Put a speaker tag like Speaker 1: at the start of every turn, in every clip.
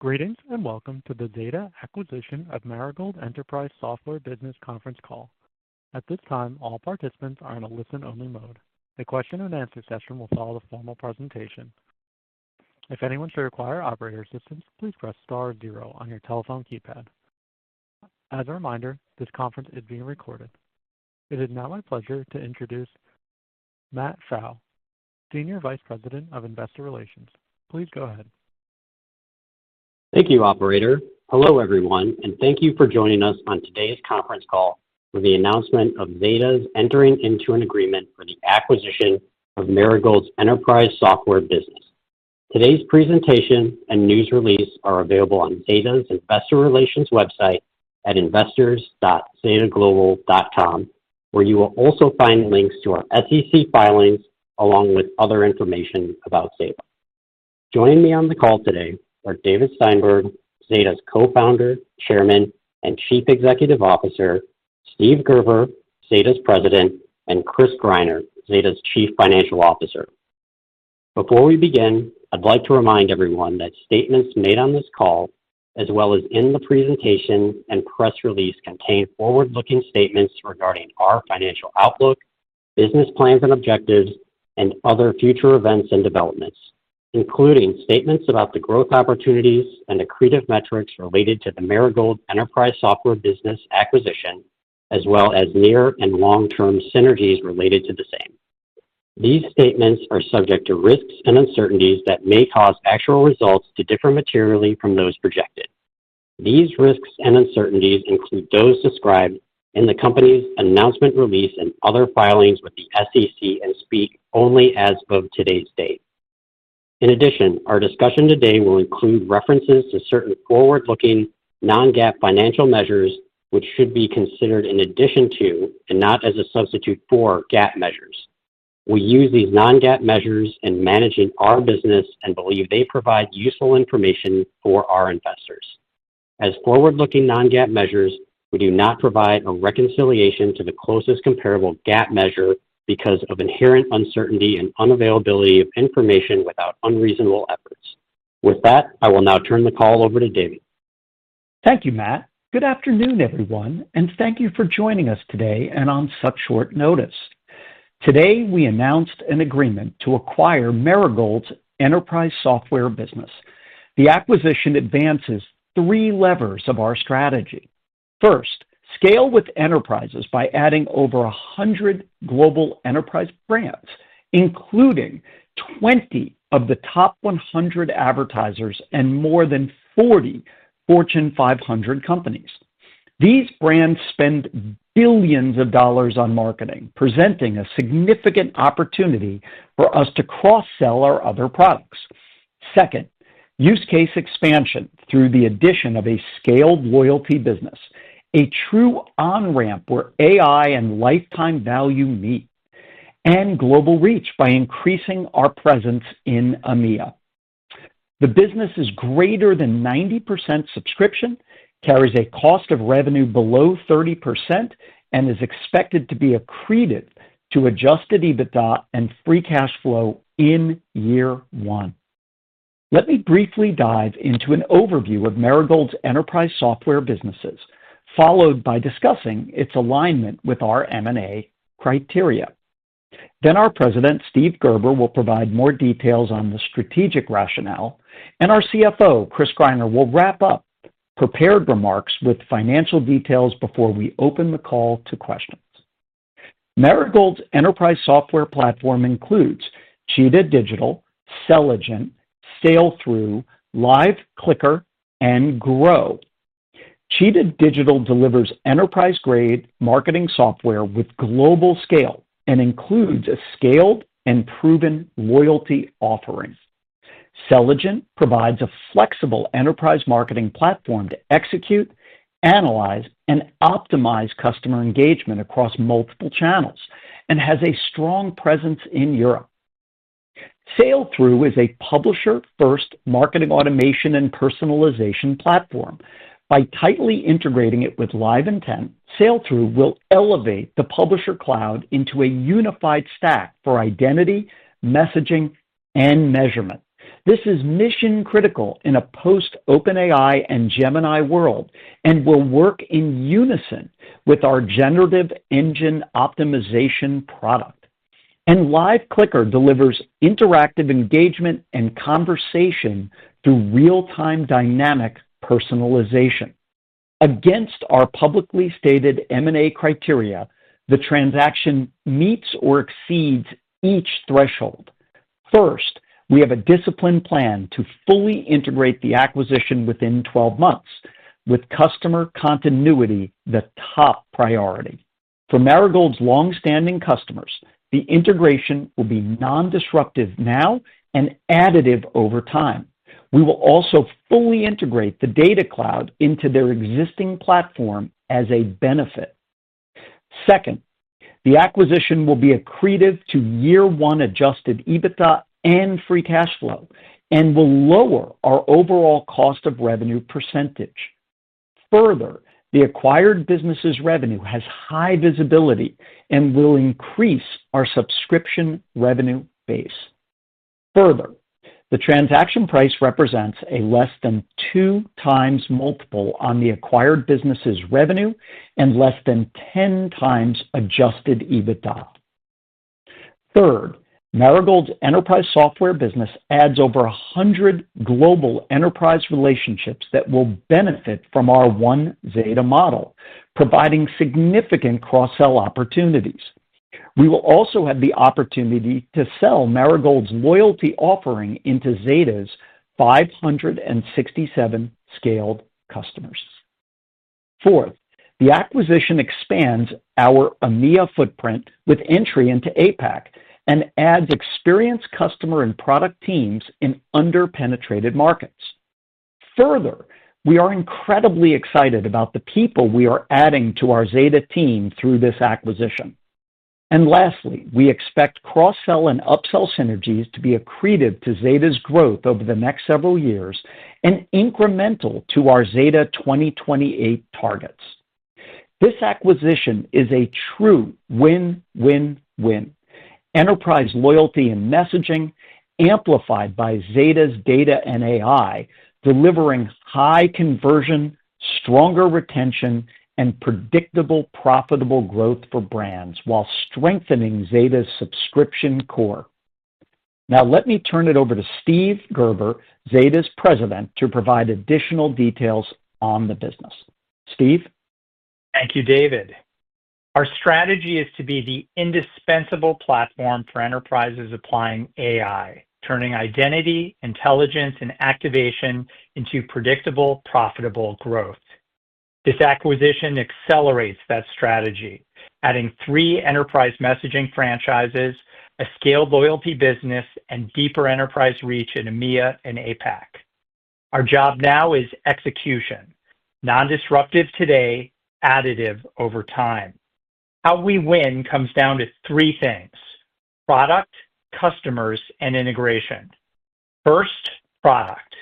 Speaker 1: Greetings and welcome to the Zeta Acquisition of Marigold Enterprise Software Business Conference call. At this time, all participants are in a listen-only mode. The question-and-answer session will follow the formal presentation. If anyone should require operator assistance, please press star zero on your telephone keypad. As a reminder, this conference is being recorded. It is now my pleasure to introduce Matthew Pfau, Senior Vice President of Investor Relations. Please go ahead.
Speaker 2: Thank you, Operator. Hello, everyone, and thank you for joining us on today's conference call for the announcement of Zeta's entering into an agreement for the acquisition of Marigold's enterprise software business. Today's presentation and news release are available on Zeta's Investor Relations website at investors.zeta-global.com, where you will also find links to our SEC filings along with other information about Zeta. Joining me on the call today are David Steinberg, Zeta's Co-founder, Chairman, and Chief Executive Officer; Steve Gerber, Zeta's President; and Chris Greiner, Zeta's Chief Financial Officer. Before we begin, I'd like to remind everyone that statements made on this call, as well as in the presentation and press release, contain forward-looking statements regarding our financial outlook, business plans and objectives, and other future events and developments, including statements about the growth opportunities and accretive metrics related to the Marigold enterprise software business acquisition, as well as near and long-term synergies related to the same. These statements are subject to risks and uncertainties that may cause actual results to differ materially from those projected. These risks and uncertainties include those described in the company's announcement release and other filings with the SEC and speak only as of today's date. In addition, our discussion today will include references to certain forward-looking non-GAAP financial measures, which should be considered in addition to and not as a substitute for GAAP measures. We use these non-GAAP measures in managing our business and believe they provide useful information for our investors. As forward-looking non-GAAP measures, we do not provide a reconciliation to the closest comparable GAAP measure because of inherent uncertainty and unavailability of information without unreasonable efforts. With that, I will now turn the call over to David.
Speaker 3: Thank you, Matthew. Good afternoon, everyone, and thank you for joining us today and on such short notice. Today, we announced an agreement to acquire Marigold's enterprise software business. The acquisition advances three levers of our strategy. First, scale with enterprises by adding over 100 global enterprise brands, including 20 of the top 100 advertisers and more than 40 Fortune 500 companies. These brands spend billions of dollars on marketing, presenting a significant opportunity for us to cross-sell our other products. Second, use case expansion through the addition of a scaled loyalty business, a true on-ramp where AI and lifetime value meet, and global reach by increasing our presence in EMEA. The business is greater than 90% subscription, carries a cost of revenue below 30%, and is expected to be accretive to Adjusted EBITDA and Free cash flow in year one. Let me briefly dive into an overview of Marigold's enterprise software businesses, followed by discussing its alignment with our M&A criteria. Then our President, Steve Gerber, will provide more details on the strategic rationale, and our CFO, Chris Greiner, will wrap up prepared remarks with financial details before we open the call to questions. Marigold's enterprise software platform includes Cheetah Digital, Selligent, Sailthrough, Liveclicker, and Grow. Cheetah Digital delivers enterprise-grade marketing software with global scale and includes a scaled and proven loyalty offering. Selligent provides a flexible enterprise marketing platform to execute, analyze, and optimize customer engagement across multiple channels and has a strong presence in Europe. Sailthrough is a publisher-first marketing automation and personalization platform. By tightly integrating it with LiveIntent, Sailthrough will elevate the Publisher Cloud into a unified stack for identity, messaging, and measurement. This is mission-critical in a post-OpenAI and Gemini world and will work in unison with our Generative Engine Optimization product, and LiveClicker delivers interactive engagement and conversation through real-time dynamic personalization. Against our publicly stated M&A criteria, the transaction meets or exceeds each threshold. First, we have a disciplined plan to fully integrate the acquisition within 12 months, with customer continuity the top priority. For Marigold's longstanding customers, the integration will be non-disruptive now and additive over time. We will also fully integrate the data cloud into their existing platform as a benefit. Second, the acquisition will be accretive to year-one Adjusted EBITDA and Free Cash Flow and will lower our overall Cost of Revenue percentage. Further, the acquired business's revenue has high visibility and will increase our subscription revenue base. Further, the transaction price represents a less than two-times multiple on the acquired business's revenue and less than 10 times Adjusted EBITDA. Third, Marigold's enterprise software business adds over 100 global enterprise relationships that will benefit from our one Zeta model, providing significant cross-sell opportunities. We will also have the opportunity to sell Marigold's loyalty offering into Zeta's 567 scaled customers. Fourth, the acquisition expands our EMEA footprint with entry into APAC and adds experienced customer and product teams in under-penetrated markets. Further, we are incredibly excited about the people we are adding to our Zeta team through this acquisition. And lastly, we expect cross-sell and upsell synergies to be accretive to Zeta's growth over the next several years and incremental to our Zeta 2028 targets. This acquisition is a true win-win-win. Enterprise loyalty and messaging amplified by Zeta's data and AI, delivering high conversion, stronger retention, and predictable, profitable growth for brands while strengthening Zeta's subscription core. Now, let me turn it over to Steve Gerber, Zeta's President, to provide additional details on the business. Steve?
Speaker 4: Thank you, David. Our strategy is to be the indispensable platform for enterprises applying AI, turning identity, intelligence, and activation into predictable, profitable growth. This acquisition accelerates that strategy, adding three enterprise messaging franchises, a scaled loyalty business, and deeper enterprise reach in EMEA and APAC. Our job now is execution, non-disruptive today, additive over time. How we win comes down to three things: product, customers, and integration. First, product.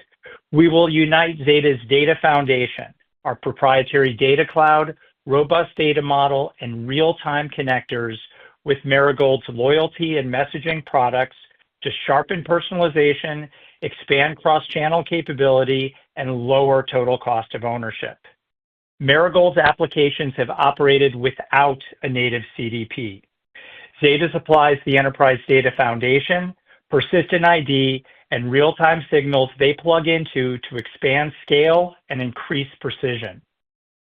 Speaker 4: We will unite Zeta's data foundation, our proprietary data cloud, robust data model, and real-time connectors with Marigold's loyalty and messaging products to sharpen personalization, expand cross-channel capability, and lower total cost of ownership. Marigold's applications have operated without a native CDP. Zeta supplies the enterprise data foundation, persistent ID, and real-time signals they plug into to expand scale and increase precision.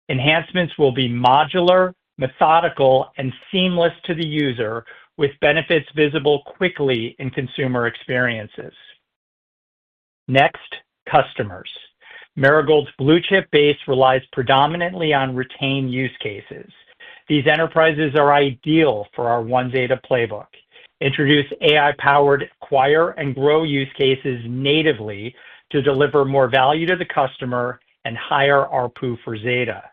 Speaker 4: Enhancements will be modular, methodical, and seamless to the user, with benefits visible quickly in consumer experiences. Next, customers. Marigold's blue-chip base relies predominantly on retained use cases. These enterprises are ideal for our one Zeta playbook. Introduce AI-powered acquire and grow use cases natively to deliver more value to the customer and higher RPU for Zeta.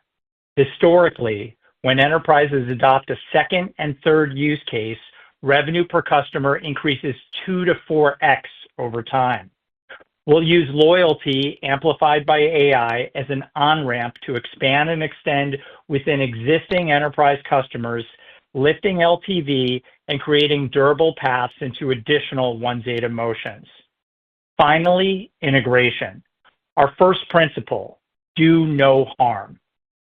Speaker 4: Historically, when enterprises adopt a second and third use case, revenue per customer increases two-to-four x over time. We'll use loyalty amplified by AI as an on-ramp to expand and extend within existing enterprise customers, lifting LTV and creating durable paths into additional one Zeta motions. Finally, integration. Our first principle: do no harm.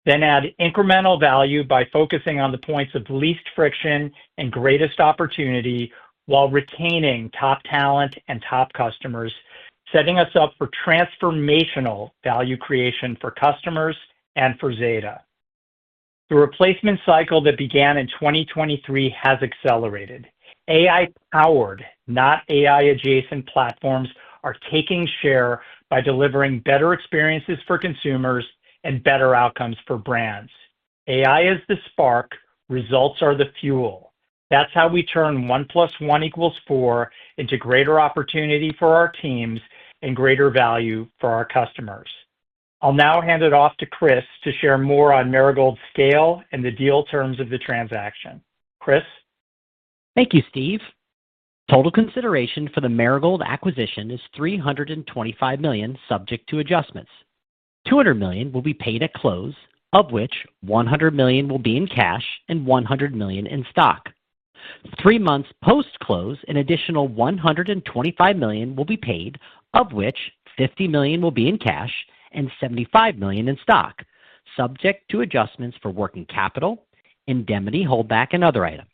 Speaker 4: Then add incremental value by focusing on the points of least friction and greatest opportunity while retaining top talent and top customers, setting us up for transformational value creation for customers and for Zeta. The replacement cycle that began in 2023 has accelerated. AI-powered, not AI-adjacent platforms, are taking share by delivering better experiences for consumers and better outcomes for brands. AI is the spark. Results are the fuel. That's how we turn one plus one equals four into greater opportunity for our teams and greater value for our customers. I'll now hand it off to Chris to share more on Marigold's scale and the deal terms of the transaction. Chris?
Speaker 5: Thank you, Steve. Total consideration for the Marigold acquisition is $325 million, subject to adjustments. $200 million will be paid at close, of which $100 million will be in cash and $100 million in stock. Three months post-close, an additional $125 million will be paid, of which $50 million will be in cash and $75 million in stock, subject to adjustments for working capital, indemnity holdback, and other items.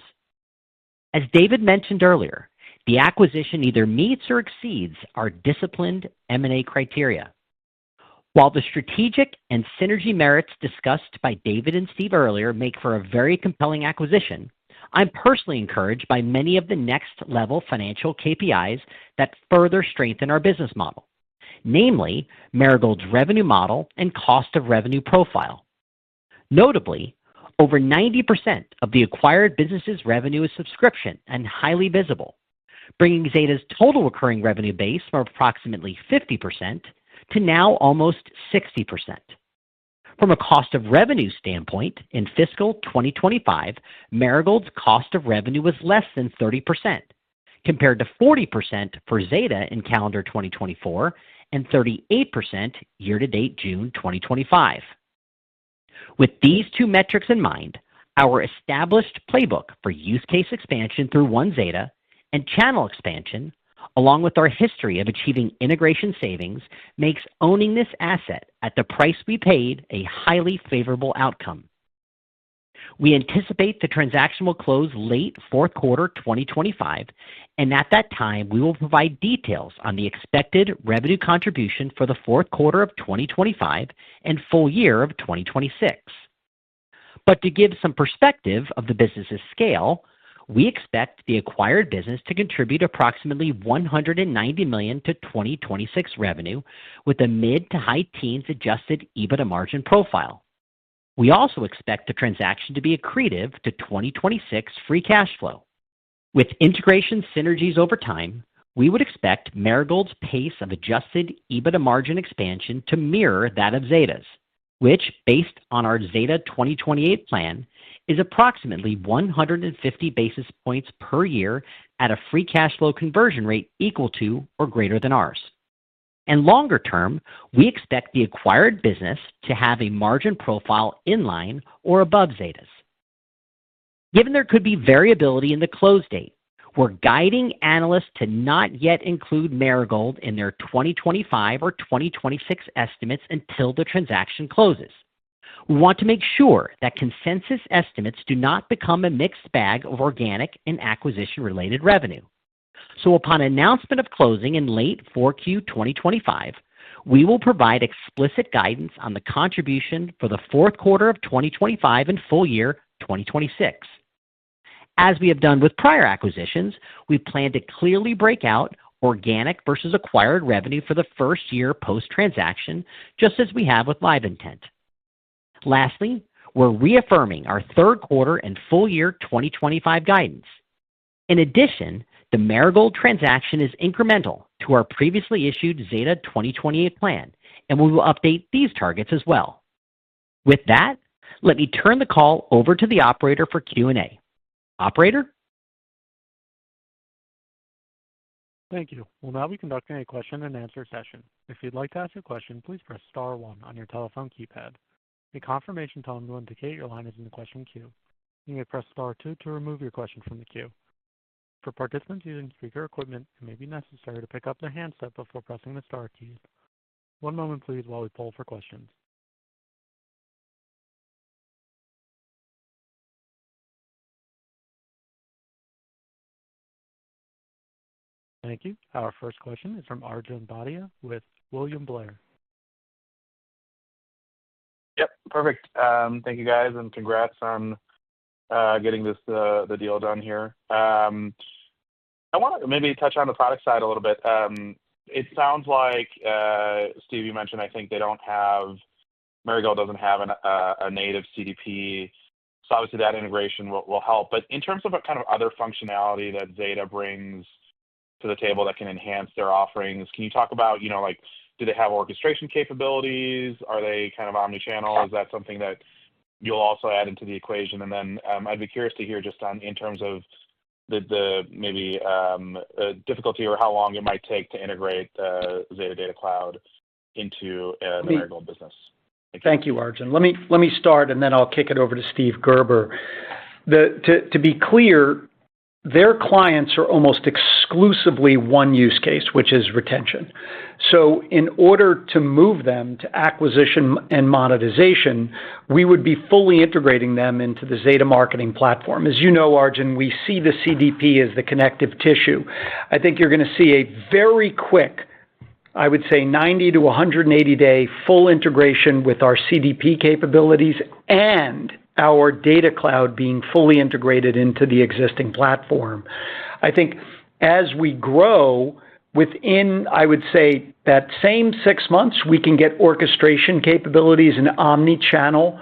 Speaker 5: As David mentioned earlier, the acquisition either meets or exceeds our disciplined M&A criteria. While the strategic and synergy merits discussed by David and Steve earlier make for a very compelling acquisition, I'm personally encouraged by many of the next-level financial KPIs that further strengthen our business model, namely Marigold's revenue model and cost of revenue profile. Notably, over 90% of the acquired business's revenue is subscription and highly visible, bringing Zeta's total recurring revenue base from approximately 50% to now almost 60%. From a cost of revenue standpoint, in fiscal 2025, Marigold's cost of revenue was less than 30%, compared to 40% for Zeta in calendar 2024 and 38% year-to-date June 2025. With these two metrics in mind, our established playbook for use case expansion through one Zeta and channel expansion, along with our history of achieving integration savings, makes owning this asset at the price we paid a highly favorable outcome. We anticipate the transaction will close late fourth quarter 2025, and at that time, we will provide details on the expected revenue contribution for the fourth quarter of 2025 and full year of 2026. To give some perspective of the business's scale, we expect the acquired business to contribute approximately $190 million to 2026 revenue with a mid- to high-teens Adjusted EBITDA margin profile. We also expect the transaction to be accretive to 2026 Free Cash Flow. With integration synergies over time, we would expect Marigold's pace of Adjusted EBITDA margin expansion to mirror that of Zeta's, which, based on our Zeta 2028 plan, is approximately 150 basis points per year at a Free Cash Flow conversion rate equal to or greater than ours. Longer term, we expect the acquired business to have a margin profile in line or above Zeta's. Given there could be variability in the close date, we're guiding analysts to not yet include Marigold in their 2025 or 2026 estimates until the transaction closes. We want to make sure that consensus estimates do not become a mixed bag of organic and acquisition-related revenue. So upon announcement of closing in late 4Q 2025, we will provide explicit guidance on the contribution for the fourth quarter of 2025 and full year 2026. As we have done with prior acquisitions, we plan to clearly break out organic versus acquired revenue for the first year post-transaction, just as we have with LiveIntent. Lastly, we're reaffirming our third-quarter and full year 2025 guidance. In addition, the Marigold transaction is incremental to our previously issued Zeta 2028 plan, and we will update these targets as well. With that, let me turn the call over to the operator for Q&A. Operator?
Speaker 1: Thank you. We'll now be conducting a question-and-answer session. If you'd like to ask a question, please press Star 1 on your telephone keypad. A confirmation tone will indicate your line is in the question queue. You may press Star 2 to remove your question from the queue. For participants using speaker equipment, it may be necessary to pick up their handset before pressing the Star keys. One moment, please, while we pull for questions. Thank you. Our first question is from Arjun Bhatia with William Blair.
Speaker 6: Yep. Perfect. Thank you, guys, and congrats on getting the deal done here. I want to maybe touch on the product side a little bit. It sounds like, Steve, you mentioned, I think Marigold doesn't have a native CDP. So obviously, that integration will help. But in terms of what kind of other functionality that Zeta brings to the table that can enhance their offerings, can you talk about do they have orchestration capabilities? Are they kind of omnichannel? Is that something that you'll also add into the equation? And then I'd be curious to hear just in terms of the maybe difficulty or how long it might take to integrate Zeta Data Cloud into Marigold business.
Speaker 3: Thank you, Arjun. Let me start, and then I'll kick it over to Steve Gerber. To be clear, their clients are almost exclusively one use case, which is retention. So, in order to move them to acquisition and monetization, we would be fully integrating them into the Zeta Marketing Platform. As you know, Arjun, we see the CDP as the connective tissue. I think you're going to see a very quick, I would say, 90-180-day full integration with our CDP capabilities and our Data Cloud being fully integrated into the existing platform. I think as we grow within, I would say, that same six months, we can get orchestration capabilities and omnichannel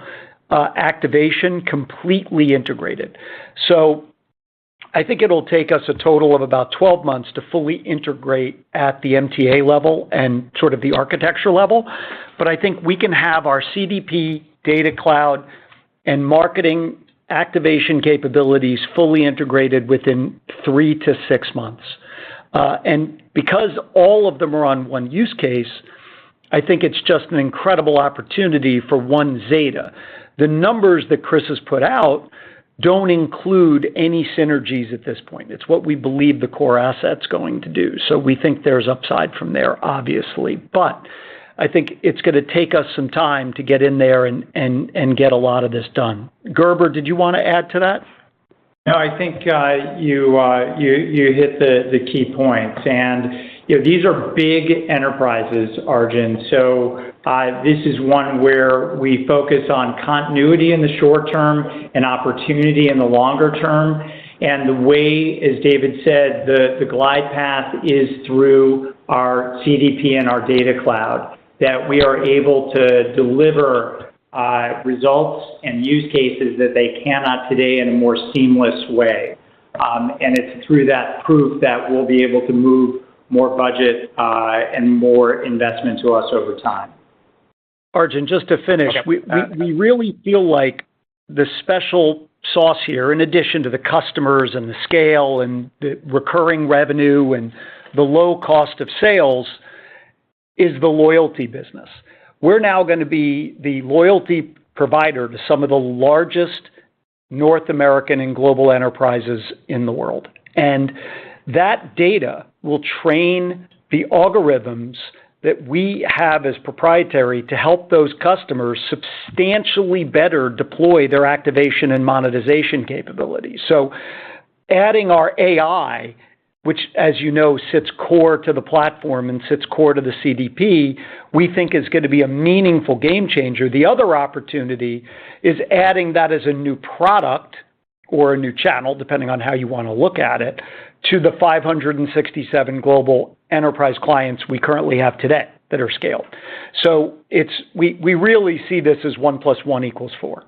Speaker 3: activation completely integrated. So I think it'll take us a total of about 12 months to fully integrate at the MTA level and sort of the architecture level. I think we can have our CDP Data Cloud and marketing activation capabilities fully integrated within three to six months. Because all of them are on one use case, I think it's just an incredible opportunity for one Zeta. The numbers that Chris has put out don't include any synergies at this point. It's what we believe the core asset's going to do. We think there's upside from there, obviously. I think it's going to take us some time to get in there and get a lot of this done. Gerber, did you want to add to that?
Speaker 4: No, I think you hit the key points, and these are big enterprises, Arjun, so this is one where we focus on continuity in the short term and opportunity in the longer term, and the way, as David said, the glide path is through our CDP and our data cloud that we are able to deliver results and use cases that they cannot today in a more seamless way, and it's through that proof that we'll be able to move more budget and more investment to us over time.
Speaker 3: Arjun, just to finish, we really feel like the special sauce here, in addition to the customers and the scale and the recurring revenue and the low cost of sales, is the loyalty business. We're now going to be the loyalty provider to some of the largest North American and global enterprises in the world. And that data will train the algorithms that we have as proprietary to help those customers substantially better deploy their activation and monetization capabilities. So adding our AI, which, as you know, sits core to the platform and sits core to the CDP, we think is going to be a meaningful game changer. The other opportunity is adding that as a new product or a new channel, depending on how you want to look at it, to the 567 global enterprise clients we currently have today that are scaled. So we really see this as one plus one equals four.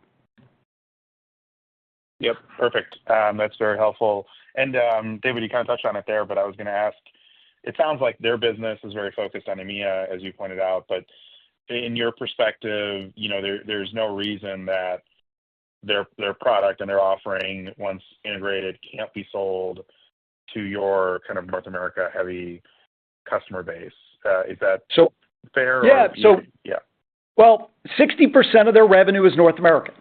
Speaker 6: Yep. Perfect. That's very helpful. And David, you kind of touched on it there, but I was going to ask, it sounds like their business is very focused on EMEA, as you pointed out. But in your perspective, there's no reason that their product and their offering, once integrated, can't be sold to your kind of North America-heavy customer base. Is that fair or unfair?
Speaker 3: Yeah. Well, 60% of their revenue is North America.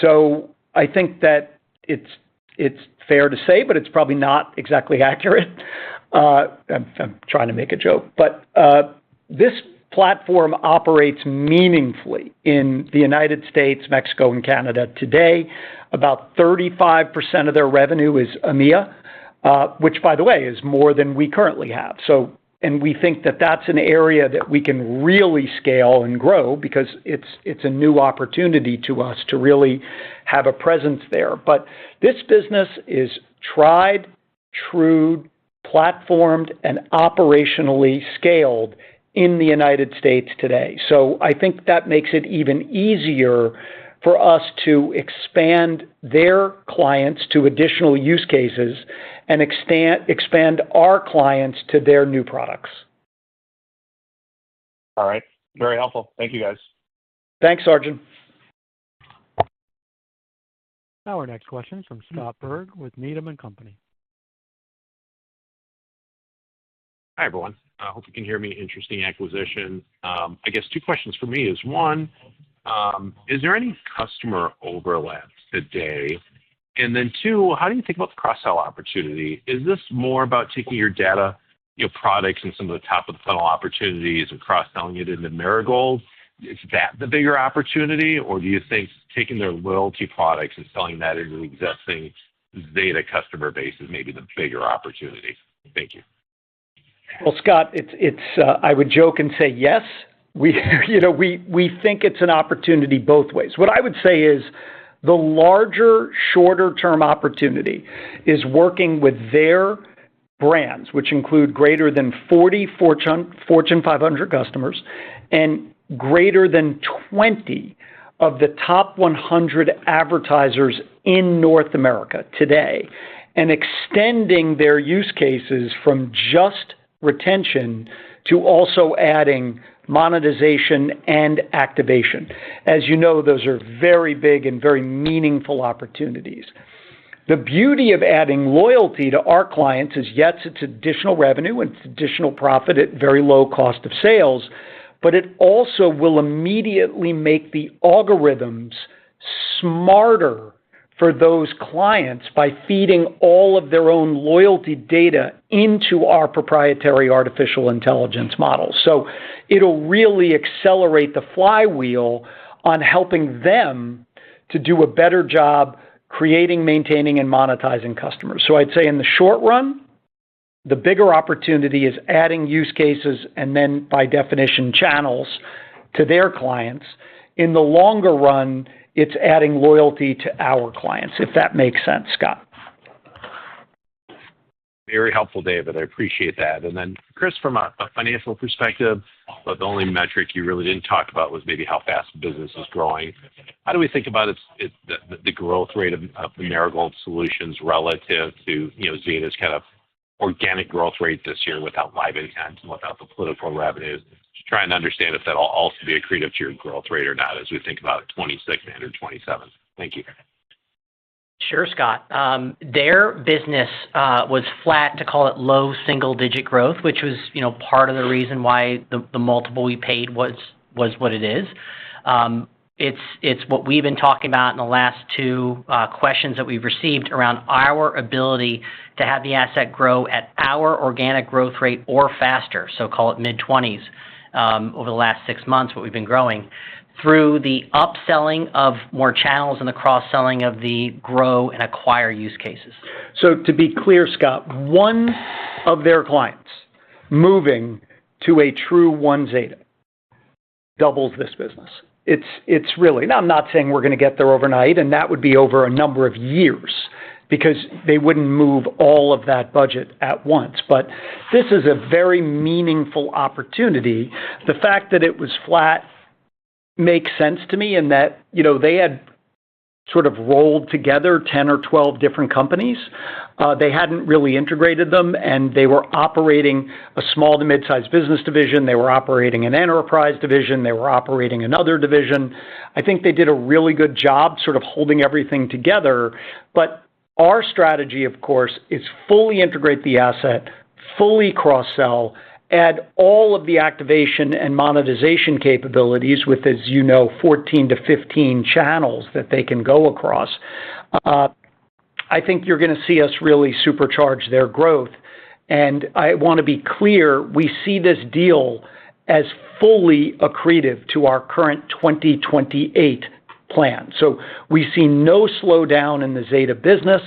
Speaker 3: So I think that it's fair to say, but it's probably not exactly accurate. I'm trying to make a joke. But this platform operates meaningfully in the United States, Mexico, and Canada today. About 35% of their revenue is EMEA, which, by the way, is more than we currently have. And we think that that's an area that we can really scale and grow because it's a new opportunity to us to really have a presence there. But this business is tried, true, platformed, and operationally scaled in the United States today. So I think that makes it even easier for us to expand their clients to additional use cases and expand our clients to their new products.
Speaker 6: All right. Very helpful. Thank you, guys.
Speaker 3: Thanks, Arjun.
Speaker 1: Our next question is from Scott Berg with Needham & Company.
Speaker 7: Hi, everyone. I hope you can hear me. Interesting acquisition. I guess two questions for me is, one, is there any customer overlap today? And then two, how do you think about the cross-sell opportunity? Is this more about taking your data products and some of the top-of-the-funnel opportunities and cross-selling it into Marigold? Is that the bigger opportunity, or do you think taking their loyalty products and selling that into the existing Zeta customer base is maybe the bigger opportunity? Thank you.
Speaker 3: Well, Scott, I would joke and say yes. We think it's an opportunity both ways. What I would say is the larger, shorter-term opportunity is working with their brands, which include greater than 40 Fortune 500 customers and greater than 20 of the top 100 advertisers in North America today, and extending their use cases from just retention to also adding monetization and activation. As you know, those are very big and very meaningful opportunities. The beauty of adding loyalty to our clients is, yes, it's additional revenue and it's additional profit at very low cost of sales, but it also will immediately make the algorithms smarter for those clients by feeding all of their own loyalty data into our proprietary artificial intelligence models. So it'll really accelerate the flywheel on helping them to do a better job creating, maintaining, and monetizing customers. So I'd say in the short run, the bigger opportunity is adding use cases and then, by definition, channels to their clients. In the longer run, it's adding loyalty to our clients, if that makes sense, Scott.
Speaker 7: Very helpful, David. I appreciate that. And then Chris, from a financial perspective, the only metric you really didn't talk about was maybe how fast the business is growing. How do we think about the growth rate of the Marigold solutions relative to Zeta's kind of organic growth rate this year, without LiveIntent and without the political revenues? Trying to understand if that'll also be accretive to your growth rate or not, as we think about 2026 and 2027. Thank you.
Speaker 5: Sure, Scott. Their business was flat, to call it low single-digit growth, which was part of the reason why the multiple we paid was what it is. It's what we've been talking about in the last two questions that we've received around our ability to have the asset grow at our organic growth rate or faster, so call it mid-20s over the last six months, what we've been growing, through the upselling of more channels and the cross-selling of the Grow and acquire use cases.
Speaker 3: So, to be clear, Scott, one of their clients moving to a true one Zeta doubles this business. Now, I'm not saying we're going to get there overnight, and that would be over a number of years because they wouldn't move all of that budget at once. But this is a very meaningful opportunity. The fact that it was flat makes sense to me in that they had sort of rolled together 10 or 12 different companies. They hadn't really integrated them, and they were operating a small to mid-size business division. They were operating an enterprise division. They were operating another division. I think they did a really good job sort of holding everything together. But our strategy, of course, is fully integrate the asset, fully cross-sell, add all of the activation and monetization capabilities with, as you know, 14 to 15 channels that they can go across. I think you're going to see us really supercharge their growth. And I want to be clear, we see this deal as fully accretive to our current 2028 plan. So we see no slowdown in the Zeta business.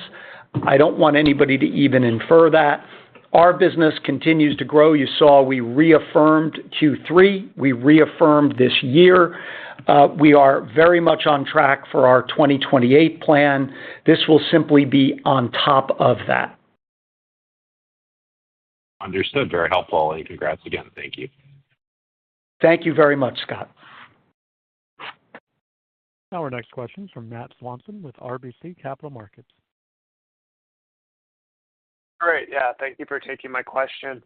Speaker 3: I don't want anybody to even infer that. Our business continues to grow. You saw we reaffirmed Q3. We reaffirmed this year. We are very much on track for our 2028 plan. This will simply be on top of that.
Speaker 7: Understood. Very helpful, and congrats again. Thank you.
Speaker 3: Thank you very much, Scott.
Speaker 1: Our next question is from Matthew Swanson with RBC Capital Markets.
Speaker 8: Great. Yeah. Thank you for taking my question.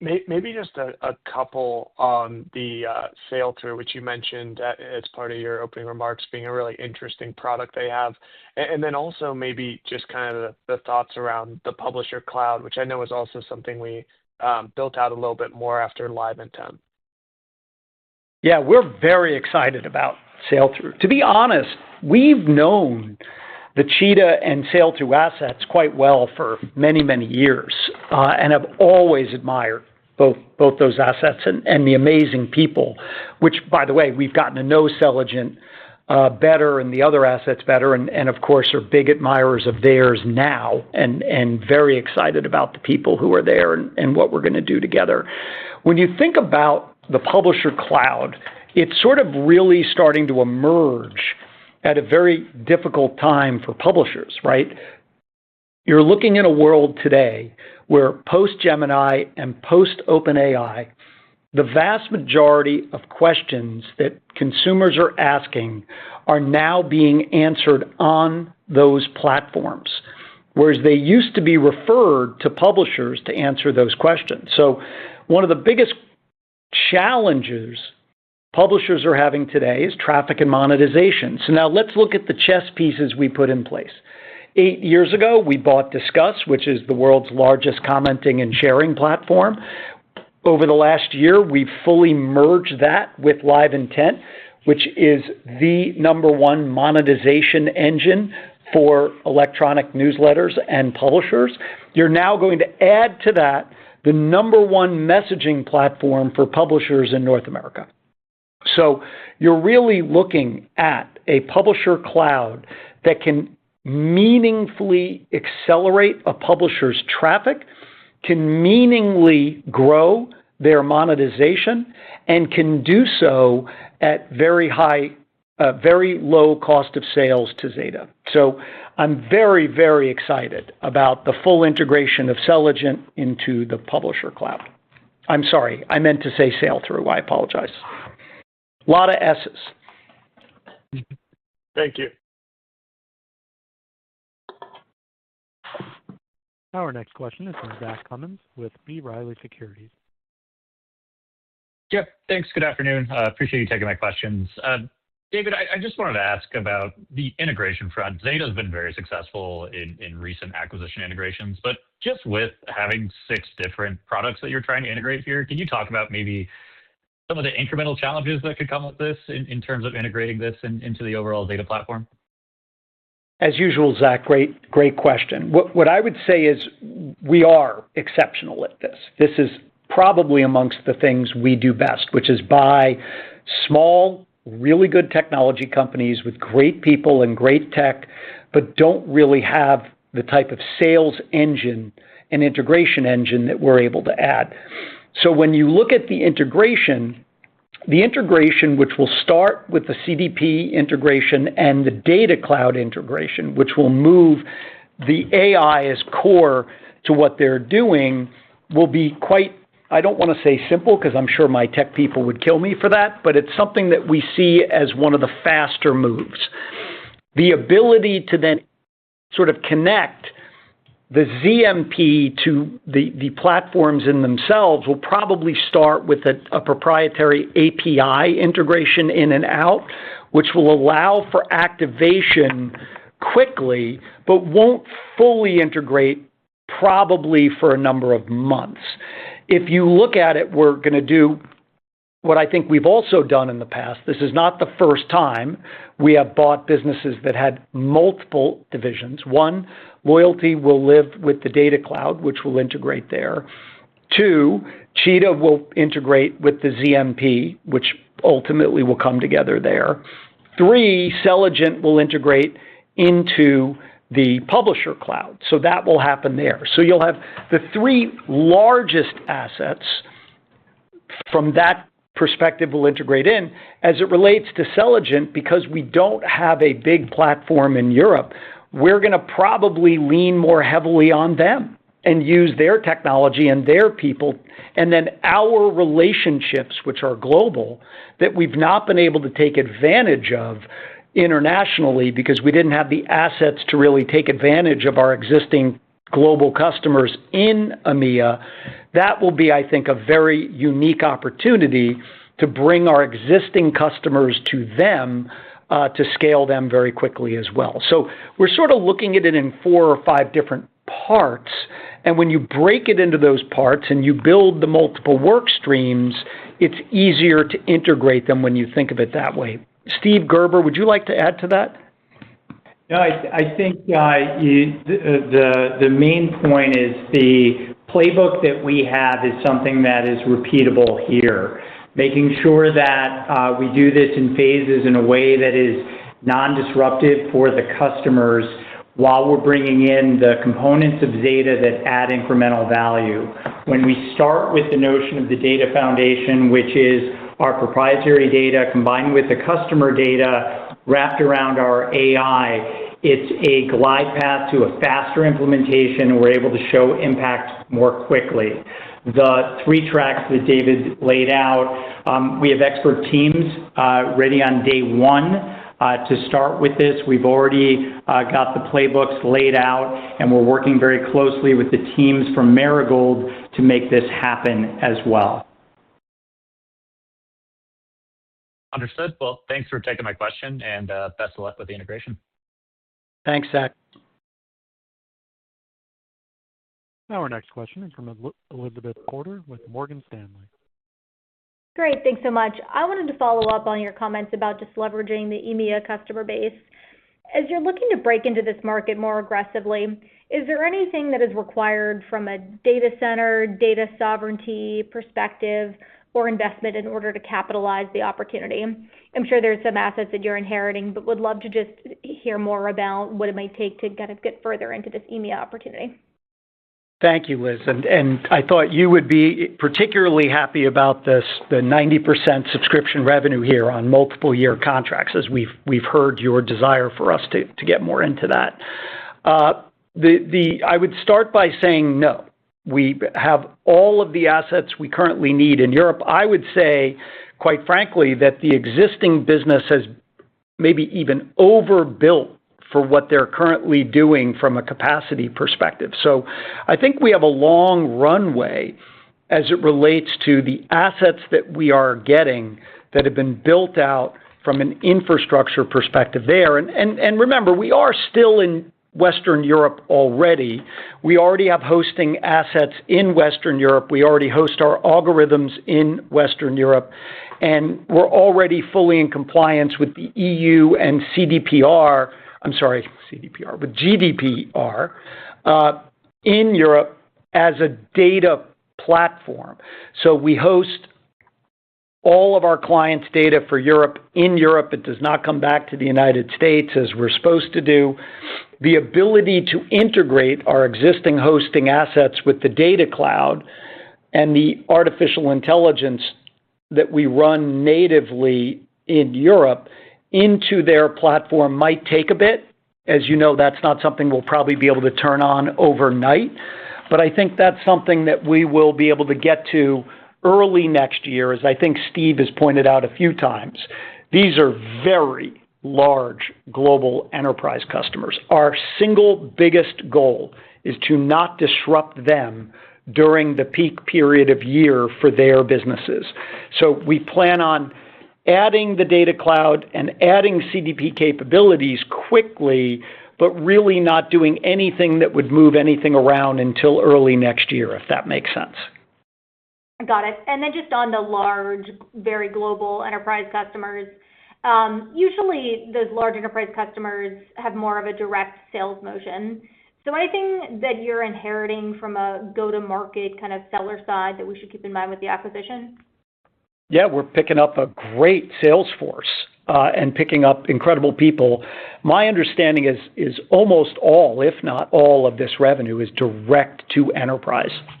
Speaker 8: Maybe just a couple on the Sailthrough, which you mentioned as part of your opening remarks, being a really interesting product they have. And then also maybe just kind of the thoughts around the Publisher Cloud, which I know is also something we built out a little bit more after LiveIntent.
Speaker 3: Yeah, we're very excited about Sailthru. To be honest, we've known the Cheetah and Sailthru assets quite well for many, many years, and have always admired both those assets and the amazing people, which, by the way, we've gotten to know Selligent better and the other assets better, and of course, are big admirers of theirs now and very excited about the people who are there and what we're going to do together. When you think about the Publisher Cloud, it's sort of really starting to emerge at a very difficult time for publishers, right? You're looking at a world today where, post-Gemini and post-OpenAI, the vast majority of questions that consumers are asking are now being answered on those platforms, whereas they used to be referred to publishers to answer those questions. So one of the biggest challenges publishers are having today is traffic and monetization. So now let's look at the chess pieces we put in place. Eight years ago, we bought Disqus, which is the world's largest commenting and sharing platform. Over the last year, we've fully merged that with Live Intent, which is the number one monetization engine for electronic newsletters and publishers. You're now going to add to that the number one messaging platform for publishers in North America. So you're really looking at a Publisher Cloud that can meaningfully accelerate a publisher's traffic, can meaningfully grow their monetization, and can do so at very low cost of sales to Zeta. So I'm very, very excited about the full integration of Selligent into the Publisher Cloud. I'm sorry. I meant to say Selligent. I apologize. A lot of S's.
Speaker 8: Thank you.
Speaker 1: Our next question is from Zach Cummins with B. Riley Securities.
Speaker 9: Yep. Thanks. Good afternoon. Appreciate you taking my questions. David, I just wanted to ask about the integration front. Zeta has been very successful in recent acquisition integrations, but just with having six different products that you're trying to integrate here, can you talk about maybe some of the incremental challenges that could come with this in terms of integrating this into the overall Zeta platform?
Speaker 3: As usual, Zach, great question. What I would say is we are exceptional at this. This is probably amongst the things we do best, which is buy small, really good technology companies with great people and great tech, but don't really have the type of sales engine and integration engine that we're able to add. So when you look at the integration, the integration, which will start with the CDP integration and the data cloud integration, which will move the AI as core to what they're doing, will be quite. I don't want to say simple because I'm sure my tech people would kill me for that, but it's something that we see as one of the faster moves. The ability to then sort of connect the ZMP to the platforms in themselves will probably start with a proprietary API integration in and out, which will allow for activation quickly, but won't fully integrate, probably for a number of months. If you look at it, we're going to do what I think we've also done in the past. This is not the first time we have bought businesses that had multiple divisions. One, loyalty will live with the Data Cloud, which will integrate there. Two, Cheetah will integrate with the ZMP, which ultimately will come together there. Three, Selligent will integrate into the Publisher Cloud. So that will happen there. So you'll have the three largest assets from that perspective will integrate in. As it relates to Selligent, because we don't have a big platform in Europe, we're going to probably lean more heavily on them and use their technology and their people. And then our global relationships that we've not been able to take advantage of internationally because we didn't have the assets to really take advantage of our existing global customers in EMEA, that will be, I think, a very unique opportunity to bring our existing customers to them to scale them very quickly as well. So we're sort of looking at it in four or five different parts. And when you break it into those parts, and you build the multiple work streams, it's easier to integrate them when you think of it that way. Steve Gerber, would you like to add to that?
Speaker 4: No, I think the main point is the playbook that we have is something that is repeatable here, making sure that we do this in phases in a way that is non-disruptive for the customers while we're bringing in the components of Zeta that add incremental value. When we start with the notion of the data foundation, which is our proprietary data combined with the customer data wrapped around our AI, it's a glide path to a faster implementation, and we're able to show impact more quickly. The three tracks that David laid out, we have expert teams ready on day one to start with this. We've already got the playbooks laid out, and we're working very closely with the teams from Marigold to make this happen as well.
Speaker 9: Understood. Well, thanks for taking my question, and best of luck with the integration.
Speaker 3: Thanks, Zach.
Speaker 1: Our next question is from Elizabeth Porter with Morgan Stanley.
Speaker 10: Great. Thanks so much. I wanted to follow up on your comments about just leveraging the EMEA customer base. As you're looking to break into this market more aggressively, is there anything that is required from a data center, data sovereignty perspective, or investment in order to capitalize the opportunity? I'm sure there's some assets that you're inheriting, but would love to just hear more about what it might take to kind of get further into this EMEA opportunity.
Speaker 3: Thank you, Elizabeth. And I thought you would be particularly happy about the 90% subscription revenue here on multiple-year contracts, as we've heard your desire for us to get more into that. I would start by saying no. We have all of the assets we currently need in Europe. I would say, quite frankly, that the existing business has maybe even overbuilt for what they're currently doing from a capacity perspective. So I think we have a long runway as it relates to the assets that we are getting that have been built out from an infrastructure perspective there. And remember, we are still in Western Europe already. We already have hosting assets in Western Europe. We already host our algorithms in Western Europe. And we're already fully in compliance with the EU and GDPR in Europe as a data platform. So we host all of our clients' data for Europe in Europe. It does not come back to the United States as we're supposed to do. The ability to integrate our existing hosting assets with the data cloud and the artificial intelligence that we run natively in Europe into their platform might take a bit. As you know, that's not something we'll probably be able to turn on overnight. But I think that's something that we will be able to get to early next year, as I think Steve has pointed out a few times. These are very large global enterprise customers. Our single biggest goal is to not disrupt them during the peak period of year for their businesses. So we plan on adding the data cloud and adding CDP capabilities quickly, but really not doing anything that would move anything around until early next year, if that makes sense.
Speaker 10: Got it, and then just on the large, very global enterprise customers, usually those large enterprise customers have more of a direct sales motion, so anything that you're inheriting from a go-to-market kind of seller side that we should keep in mind with the acquisition?
Speaker 3: Yeah, we're picking up a great Salesforce and picking up incredible people. My understanding is almost all, if not all, of this revenue is direct to enterprise.
Speaker 5: Yeah,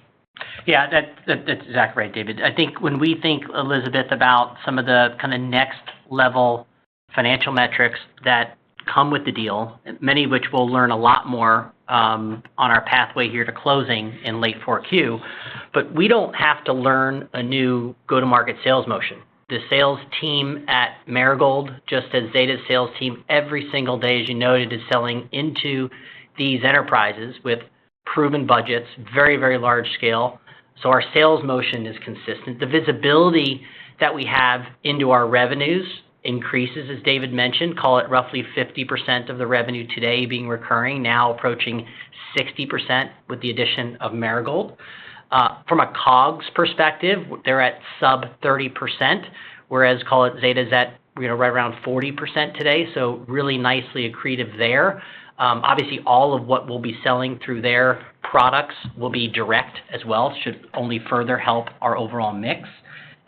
Speaker 5: that's exactly right, David. I think when we think, Elizabeth, about some of the kind of next-level financial metrics that come with the deal, many of which we'll learn a lot more on our pathway here to closing in late Q4, but we don't have to learn a new go-to-market sales motion. The sales team at Marigold just does the sales team every single day, as you noted, is selling into these enterprises with proven budgets, very, very large scale. So our sales motion is consistent. The visibility that we have into our revenues increases, as David mentioned, call it roughly 50% of the revenue today being recurring, now approaching 60% with the addition of Marigold. From a COGS perspective, they're at sub 30%, whereas call it Zeta's right around 40% today. So really nicely accretive there. Obviously, all of what we'll be selling through their products will be direct as well, should only further help our overall mix.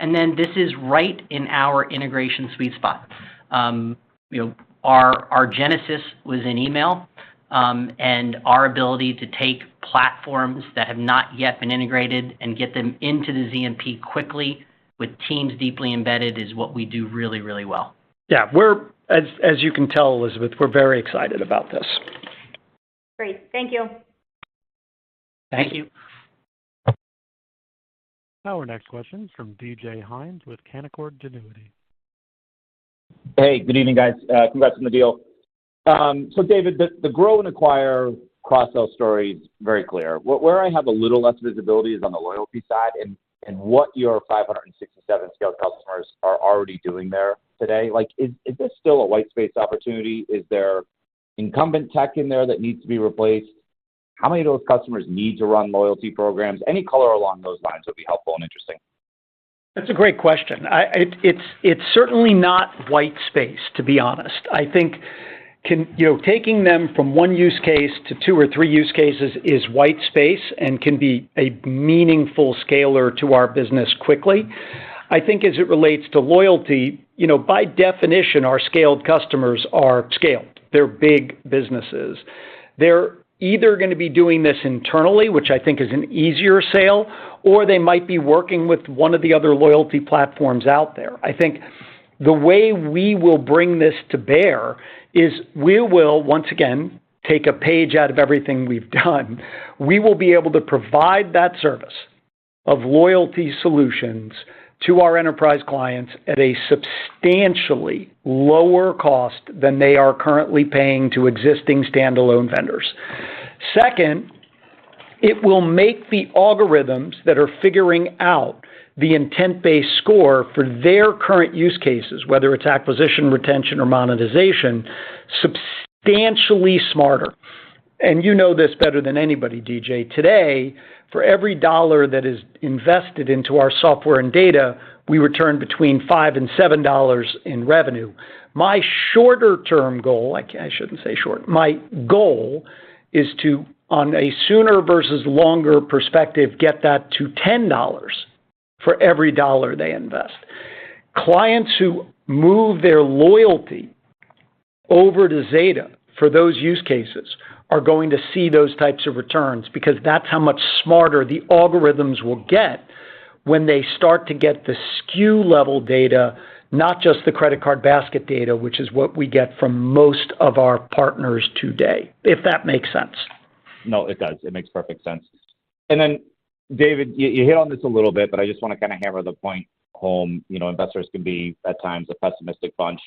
Speaker 5: And then this is right in our integration sweet spot. Our genesis was in email, and our ability to take platforms that have not yet been integrated and get them into the ZMP quickly with teams deeply embedded is what we do really well.
Speaker 3: Yeah. As you can tell, Elizabeth, we're very excited about this.
Speaker 10: Great. Thank you.
Speaker 5: Thank you.
Speaker 1: Our next question is from DJ Hines with Canaccord Genuity.
Speaker 11: Hey, good evening, guys. Congrats on the deal. So, David, the grow and acquire cross-sell story is very clear. Where I have a little less visibility is on the loyalty side and what your 567-scale customers are already doing there today. Is this still a white space opportunity? Is there incumbent tech in there that needs to be replaced? How many of those customers need to run loyalty programs? Any color along those lines would be helpful and interesting.
Speaker 3: That's a great question. It's certainly not white space, to be honest. I think taking them from one use case to two or three use cases is white space and can be a meaningful scaler to our business quickly. I think, as it relates to loyalty, by definition, our scaled customers are scaled. They're big businesses. They're either going to be doing this internally, which I think is an easier sale, or they might be working with one of the other loyalty platforms out there. I think the way we will bring this to bear is we will, once again, take a page out of everything we've done. We will be able to provide that service of loyalty solutions to our enterprise clients at a substantially lower cost than they are currently paying to existing standalone vendors. Second, it will make the algorithms that are figuring out the intent-based score for their current use cases, whether it's acquisition, retention, or monetization, substantially smarter. And you know this better than anybody, DJ. Today, for every dollar that is invested into our software and data, we return between $5 and $7 in revenue. My shorter-term goal - I shouldn't say short. My goal is to, on a sooner versus longer perspective, get that to $10 for every dollar they invest. Clients who move their loyalty over to Zeta, for those use cases, are going to see those types of returns because that's how much smarter the algorithms will get when they start to get the SKU-level data, not just the credit card basket data, which is what we get from most of our partners today, if that makes sense.
Speaker 11: No, it does. It makes perfect sense. And then, David, you hit on this a little bit, but I just want to kind of hammer the point home. Investors can be, at times, a pessimistic bunch.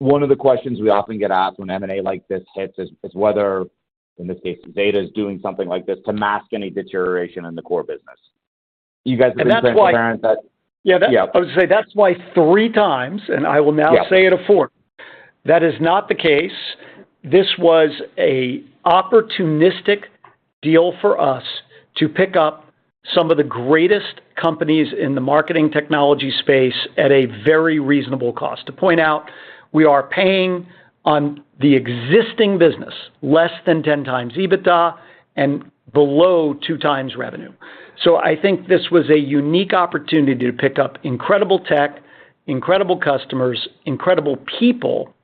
Speaker 11: One of the questions we often get asked when M&A like this hits is whether, in this case, Zeta is doing something like this to mask any deterioration in the core business. You guys have been preparing that?
Speaker 3: Yeah, I would say that's why three times, and I will now say it a fourth, that is not the case. This was an opportunistic deal for us to pick up some of the greatest companies in the marketing technology space at a very reasonable cost. To point out, we are paying on the existing business less than 10 times EBITDA and below two times revenue. So I think this was a unique opportunity to pick up incredible tech, incredible customers, incredible people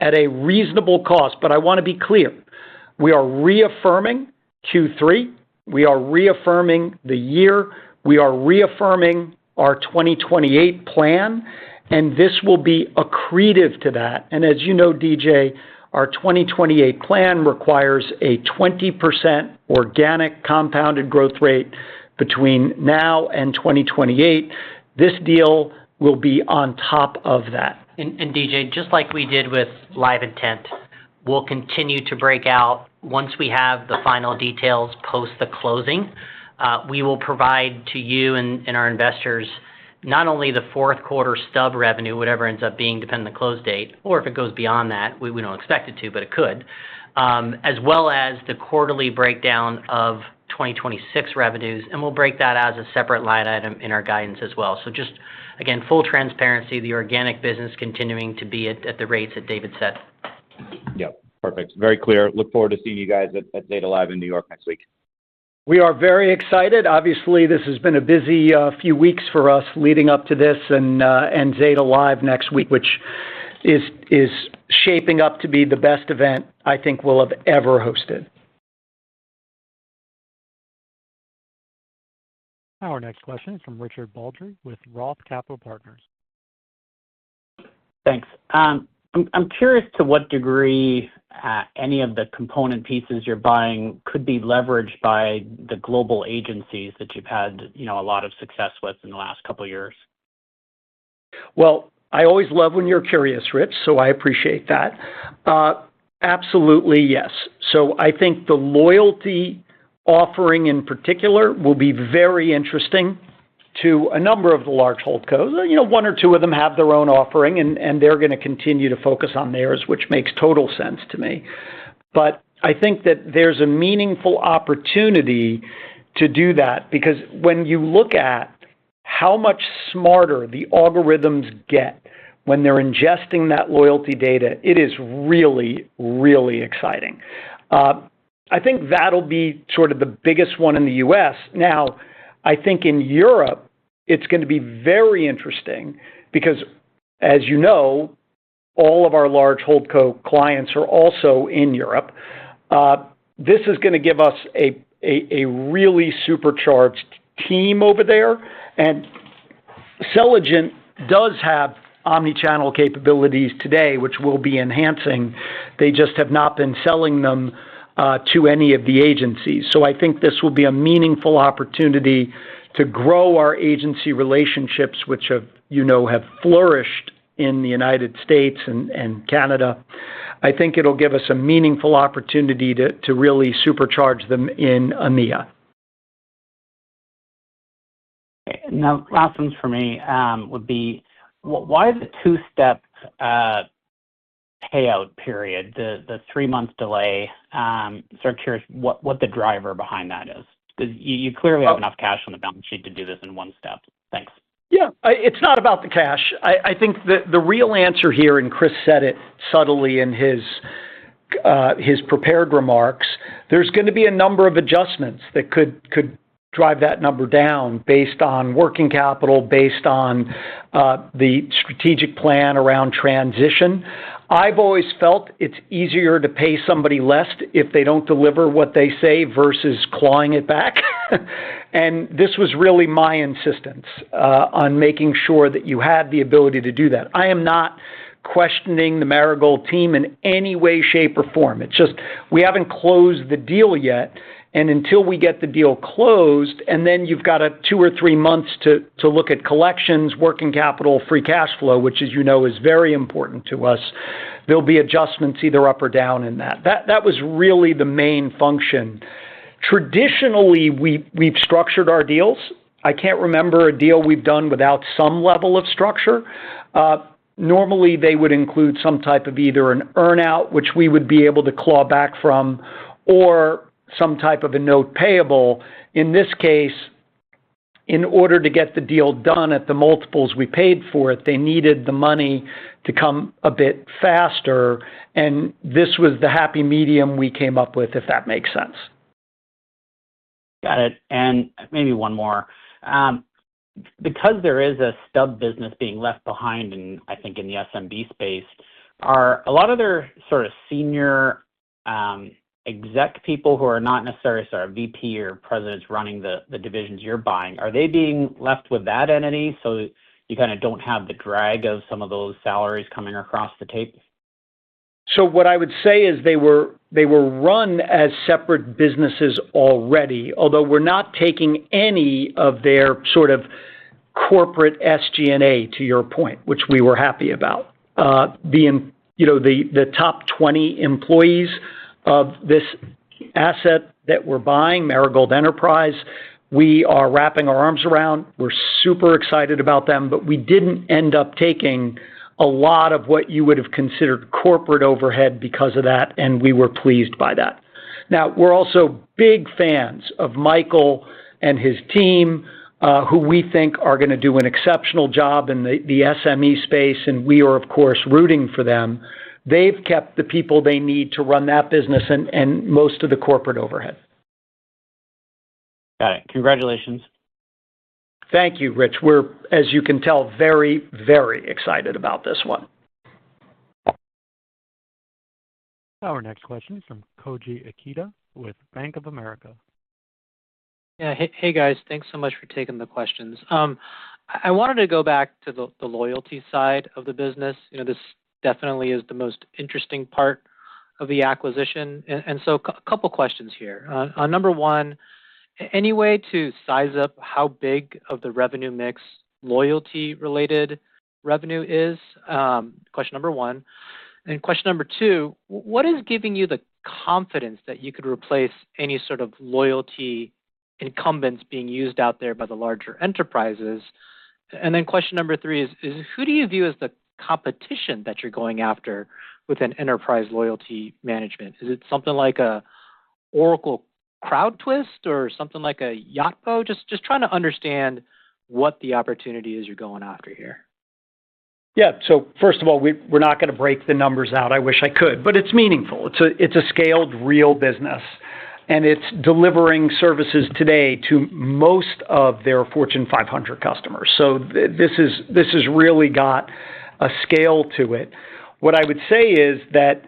Speaker 3: at a reasonable cost. But I want to be clear. We are reaffirming Q3. We are reaffirming the year. We are reaffirming our 2028 plan. And this will be accretive to that. And as you know, DJ, our 2028 plan requires a 20% organic compounded growth rate between now and 2028. This deal will be on top of that.
Speaker 5: DJ, just like we did with LiveIntent, we'll continue to break out once we have the final details post the closing. We will provide to you and our investors not only the fourth quarter stub revenue, whatever ends up being, depending on the close date, or if it goes beyond that, we don't expect it to, but it could, as well as the quarterly breakdown of 2026 revenues. We'll break that as a separate line item in our guidance as well. Just, again, full transparency, the organic business continuing to be at the rates that David set.
Speaker 11: Yep. Perfect. Very clear. Look forward to seeing you guys at Zeta Live in New York next week.
Speaker 3: We are very excited. Obviously, this has been a busy few weeks for us leading up to this and Zeta Live next week, which is shaping up to be the best event I think we'll have ever hosted.
Speaker 1: Our next question is from Richard Baldry with Roth Capital Partners.
Speaker 12: Thanks. I'm curious to what degree any of the component pieces you're buying could be leveraged by the global agencies that you've had a lot of success with in the last couple of years.
Speaker 3: I always love when you're curious, Rich, so I appreciate that. Absolutely, yes. I think the loyalty offering in particular will be very interesting to a number of the large holdcos. One or two of them have their own offering, and they're going to continue to focus on theirs, which makes total sense to me. I think that there's a meaningful opportunity to do that because when you look at how much smarter the algorithms get when they're ingesting that loyalty data, it is really, really exciting. I think that'll be sort of the biggest one in the US. Now, I think in Europe, it's going to be very interesting because, as you know, all of our large holdco clients are also in Europe. This is going to give us a really supercharged team over there. Selligent does have omnichannel capabilities today, which we'll be enhancing. They just have not been selling them to any of the agencies. So I think this will be a meaningful opportunity to grow our agency relationships, which have flourished in the United States and Canada. I think it'll give us a meaningful opportunity to really supercharge them in EMEA.
Speaker 12: Now, last one for me would be, why the two-step payout period, the three-month delay? I'm sort of curious what the driver behind that is, because you clearly have enough cash on the balance sheet to do this in one step. Thanks.
Speaker 3: Yeah. It's not about the cash. I think the real answer here, and Chris said it subtly in his prepared remarks. There's going to be a number of adjustments that could drive that number down based on working capital, based on the strategic plan around transition. I've always felt it's easier to pay somebody less if they don't deliver what they say, versus clawing it back. And this was really my insistence on making sure that you had the ability to do that. I am not questioning the Marigold team in any way, shape, or form. It's just we haven't closed the deal yet. And until we get the deal closed, and then you've got two or three months to look at collections, working capital, free cash flow, which, as you know, is very important to us, there'll be adjustments either up or down in that. That was really the main function. Traditionally, we've structured our deals. I can't remember a deal we've done without some level of structure. Normally, they would include some type of either an earnout, which we would be able to claw back from, or some type of a note payable. In this case, in order to get the deal done at the multiples we paid for it, they needed the money to come a bit faster. And this was the happy medium we came up with, if that makes sense.
Speaker 12: Got it. And maybe one more. Because there is a stub business being left behind, and I think in the SMB space are a lot of their sort of senior exec people who are not necessarily sort of VP or presidents running the divisions you're buying, are they being left with that entity so you kind of don't have the drag of some of those salaries coming across the tape?
Speaker 3: So what I would say is they were run as separate businesses already, although we're not taking any of their sort of corporate SG&A, to your point, which we were happy about. The top 20 employees of this asset that we're buying, Marigold Enterprise, we are wrapping our arms around. We're super excited about them, but we didn't end up taking a lot of what you would have considered corporate overhead because of that, and we were pleased by that. Now, we're also big fans of Michael and his team, who we think are going to do an exceptional job in the SME space, and we are, of course, rooting for them. They've kept the people they need to run that business and most of the corporate overhead.
Speaker 12: Got it. Congratulations.
Speaker 3: Thank you, Richard. We're, as you can tell, very, very excited about this one.
Speaker 1: Our next question is from Koji Ikeda with Bank of America.
Speaker 13: Yeah. Hey, guys. Thanks so much for taking the questions. I wanted to go back to the loyalty side of the business. This definitely is the most interesting part of the acquisition. And so a couple of questions here. Number one, any way to size up how big of the revenue mix loyalty-related revenue is? Question number one. And question number two, what is giving you the confidence that you could replace any sort of loyalty incumbents being used out there by the larger enterprises? And then question number three is, who do you view as the competition that you're going after with an enterprise loyalty management? Is it something like an Oracle CrowdTwist or something like a Yotpo? Just trying to understand what the opportunity is you're going after here.
Speaker 3: Yeah. So first of all, we're not going to break the numbers out. I wish I could, but it's meaningful. It's a scaled real business, and it's delivering services today to most of their Fortune 500 customers. So this has really got a scale to it. What I would say is that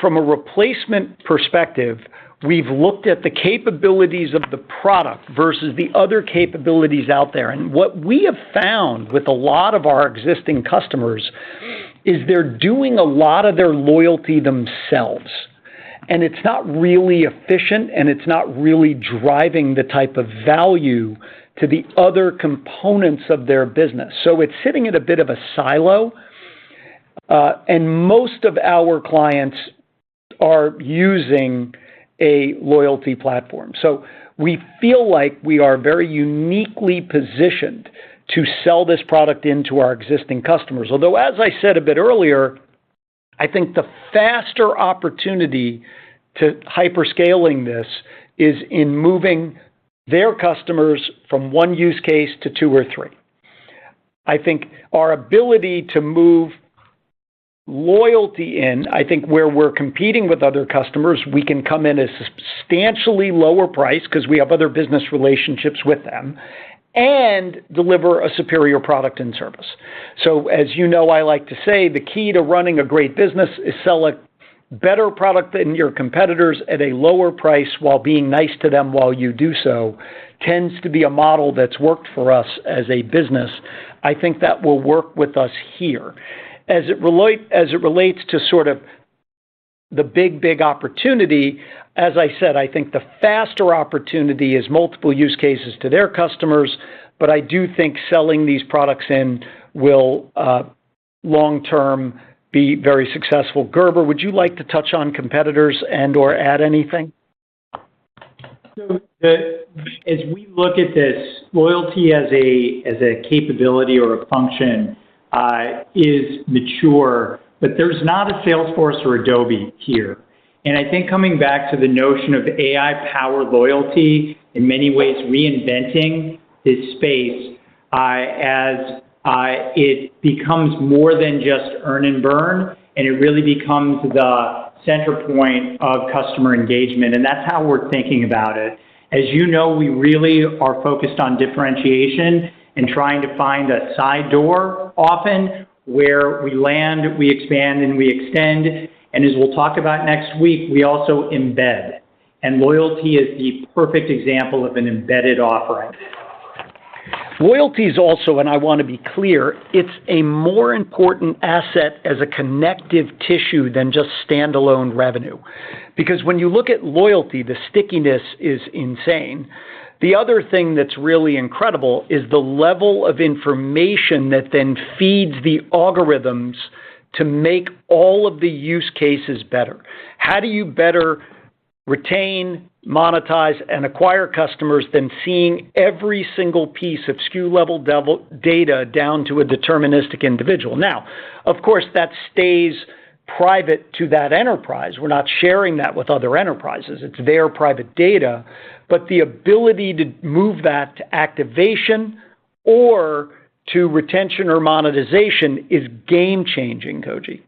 Speaker 3: from a replacement perspective, we've looked at the capabilities of the product versus the other capabilities out there. And what we have found with a lot of our existing customers is they're doing a lot of their loyalty themselves. And it's not really efficient, and it's not really driving the type of value to the other components of their business. So it's sitting in a bit of a silo. And most of our clients are using a loyalty platform. So we feel like we are very uniquely positioned to sell this product into our existing customers. Although, as I said a bit earlier, I think the faster opportunity to hyperscaling this is in moving their customers from one use case to two or three. I think our ability to move loyalty in, I think where we're competing with other customers, we can come in at a substantially lower price because we have other business relationships with them and deliver a superior product and service. So as you know, I like to say the key to running a great business is sell a better product than your competitors at a lower price while being nice to them while you do so. Tends to be a model that's worked for us as a business. I think that will work with us here. As it relates to sort of the big, big opportunity, as I said, I think the faster opportunity is multiple use cases to their customers, but I do think selling these products in will long-term be very successful. Gerber, would you like to touch on competitors and/or add anything?
Speaker 4: So as we look at this, loyalty as a capability or a function is mature, but there's not a Salesforce or Adobe here. And I think coming back to the notion of AI-powered loyalty, in many ways, reinventing this space as it becomes more than just earn and burn, and it really becomes the center point of customer engagement. And that's how we're thinking about it. As you know, we really are focused on differentiation and trying to find a side door, often where we land, we expand, and we extend. And as we'll talk about next week, we also embed. And loyalty is the perfect example of an embedded offering.
Speaker 3: Loyalty is also, and I want to be clear, it's a more important asset as a connective tissue than just standalone revenue. Because when you look at loyalty, the stickiness is insane. The other thing that's really incredible is the level of information that then feeds the algorithms to make all of the use cases better. How do you better retain, monetize, and acquire customers than seeing every single piece of SKU-level data down to a deterministic individual? Now, of course, that stays private to that enterprise. We're not sharing that with other enterprises. It's their private data. But the ability to move that to activation or to retention or monetization is game-changing, Koji.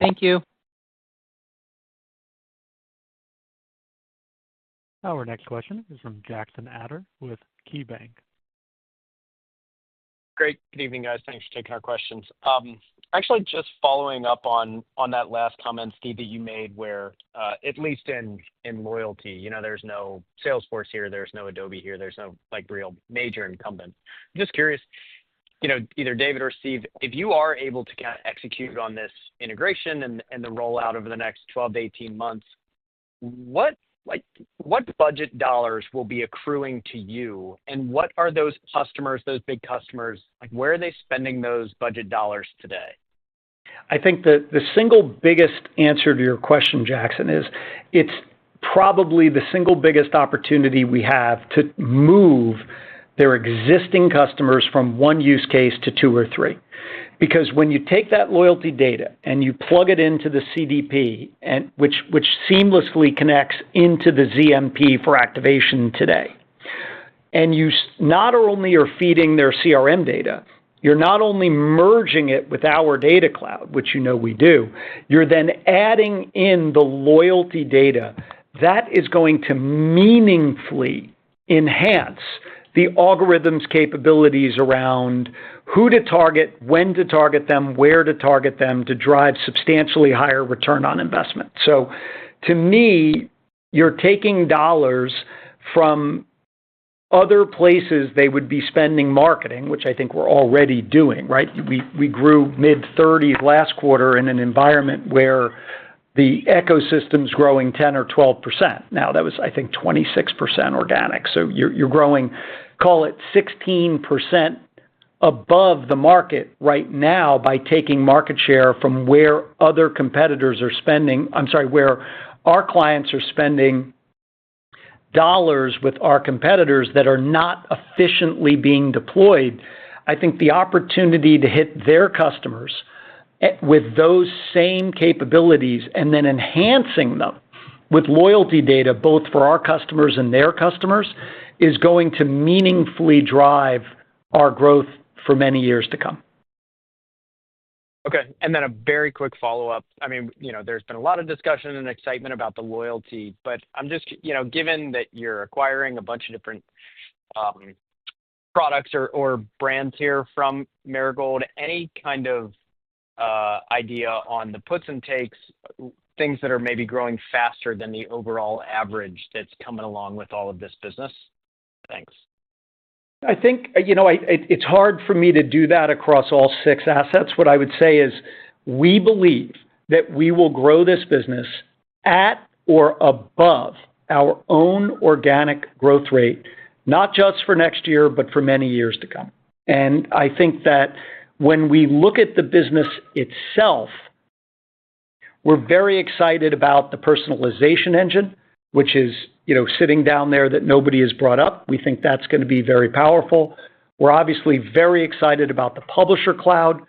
Speaker 13: Thank you.
Speaker 1: Our next question is from Jackson Ader with KeyBank.
Speaker 14: Hey, great. Good evening, guys. Thanks for taking our questions. Actually, just following up on that last comment, Steve, that you made, where, at least in loyalty, there's no Salesforce here, there's no Adobe here, there's no real major incumbent. I'm just curious, either David or Steve, if you are able to kind of execute on this integration and the rollout over the next 12 to 18 months, what budget dollars will be accruing to you? And what are those customers, those big customers, where are they spending those budget dollars today?
Speaker 3: I think the single biggest answer to your question, Jackson, is it's probably the single biggest opportunity we have to move their existing customers from one use case to two or three. Because when you take that loyalty data and you plug it into the CDP, which seamlessly connects into the ZMP for activation today, and you not only are feeding their CRM data, you're not only merging it with our data cloud, which you know we do, you're then adding in the loyalty data that is going to meaningfully enhance the algorithms' capabilities around who to target, when to target them, where to target them to drive substantially higher return on investment. So to me, you're taking dollars from other places they would be spending marketing, which I think we're already doing, right? We grew mid-30s last quarter in an environment where the ecosystem's growing 10% or 12%. Now, that was, I think, 26% organic. So you're growing, call it 16% above the market right now by taking market share from where other competitors are spending. I'm sorry, where our clients are spending dollars with our competitors that are not efficiently being deployed. I think the opportunity to hit their customers with those same capabilities and then enhancing them with loyalty data, both for our customers and their customers, is going to meaningfully drive our growth for many years to come.
Speaker 14: Okay. And then a very quick follow-up. I mean, there's been a lot of discussion and excitement about the loyalty, but given that you're acquiring a bunch of different products or brands here from Marigold, any kind of idea on the puts and takes, things that are maybe growing faster than the overall average that's coming along with all of this business? Thanks.
Speaker 3: I think it's hard for me to do that across all six assets. What I would say is we believe that we will grow this business at or above our own organic growth rate, not just for next year, but for many years to come, and I think that when we look at the business itself, we're very excited about the personalization engine, which is sitting down there that nobody has brought up. We think that's going to be very powerful. We're obviously very excited about the Publisher Cloud,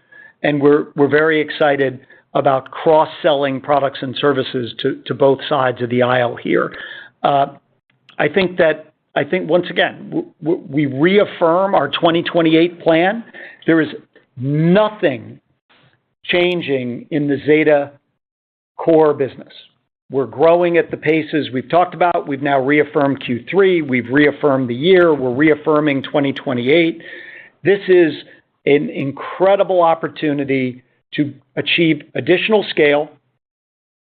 Speaker 3: and we're very excited about cross-selling products and services to both sides of the aisle here. I think, once again, we reaffirm our 2028 plan. There is nothing changing in the Zeta core business. We're growing at the pace we've talked about. We've now reaffirmed Q3. We've reaffirmed the year. We're reaffirming 2028. This is an incredible opportunity to achieve additional scale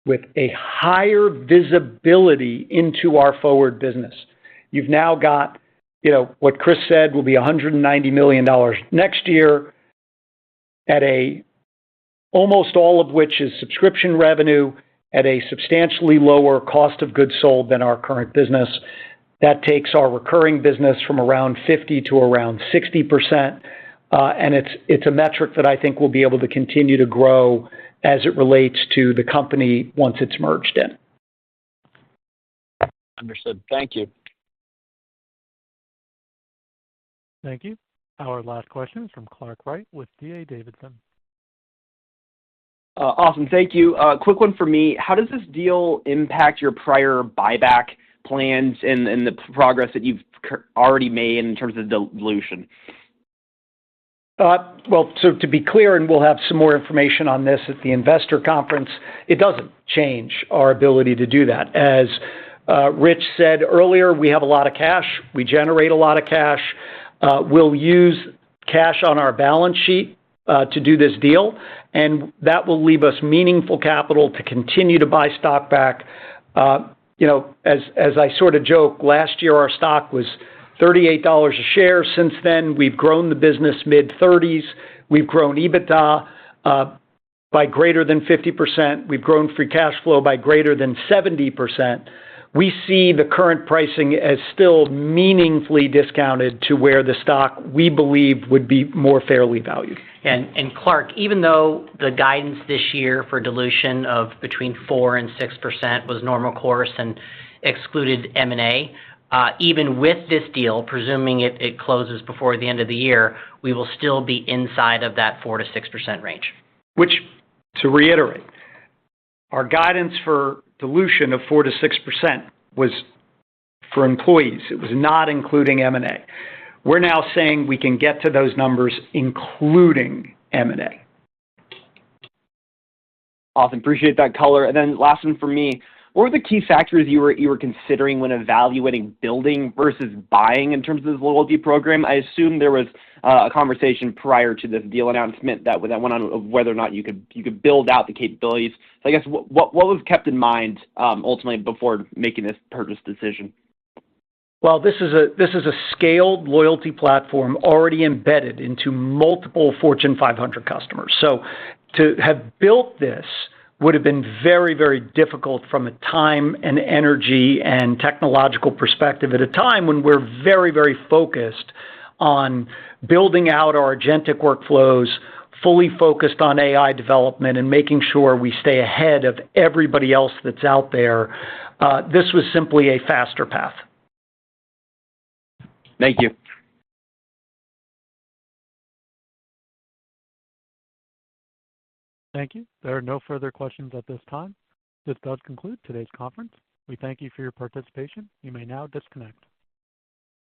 Speaker 3: with a higher visibility into our forward business. You've now got what Chris said will be $190 million next year, almost all of which is subscription revenue at a substantially lower cost of goods sold than our current business. That takes our recurring business from around 50% to around 60%. It's a metric that I think we'll be able to continue to grow as it relates to the company once it's merged in.
Speaker 14: Understood. Thank you.
Speaker 1: Thank you. Our last question is from Clark Wright with D.A. Davidson.
Speaker 15: Awesome. Thank you. Quick one for me. How does this deal impact your prior buyback plans and the progress that you've already made in terms of dilution?
Speaker 3: So to be clear, and we'll have some more information on this at the investor conference, it doesn't change our ability to do that. As Rich said earlier, we have a lot of cash. We generate a lot of cash. We'll use cash on our balance sheet to do this deal, and that will leave us meaningful capital to continue to buy stock back. As I sort of joke, last year, our stock was $38 a share. Since then, we've grown the business mid-30s. We've grown EBITDA by greater than 50%. We've grown free cash flow by greater than 70%. We see the current pricing as still meaningfully discounted to where the stock we believe would be more fairly valued.
Speaker 5: Clark, even though the guidance this year for dilution of between 4% and 6% was normal course and excluded M&A, even with this deal, presuming it closes before the end of the year, we will still be inside of that 4%-6% range.
Speaker 3: Which, to reiterate, our guidance for dilution of 4%-6% was for employees. It was not including M&A. We're now saying we can get to those numbers, including M&A.
Speaker 15: Awesome. Appreciate that color and then last one for me. What were the key factors you were considering when evaluating building versus buying in terms of this loyalty program? I assume there was a conversation prior to this deal announcement that went on of whether or not you could build out the capabilities. So I guess what was kept in mind ultimately before making this purchase decision?
Speaker 3: This is a scaled loyalty platform already embedded into multiple Fortune 500 customers. To have built this would have been very, very difficult from a time and energy and technological perspective at a time when we're very, very focused on building out our agentic workflows, fully focused on AI development, and making sure we stay ahead of everybody else that's out there. This was simply a faster path.
Speaker 15: Thank you.
Speaker 1: Thank you. There are no further questions at this time. This does conclude today's conference. We thank you for your participation. You may now disconnect.